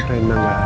rena gak ada